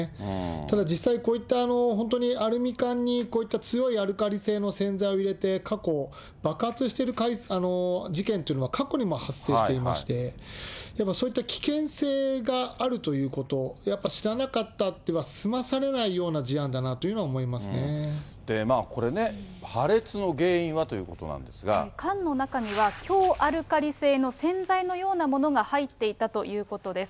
ただ実際、こういった、本当にアルミ缶にこういった強いアルカリ性の洗剤を入れて、過去、爆発してる事件っていうのは、過去にも発生していまして、やっぱりそういった危険性があるということ、やっぱ知らなかったでは済まされないような事案だなというようにこれね、破裂の原因はという缶の中には強アルカリ性の洗剤のようなものが入っていたということです。